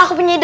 aku punya ide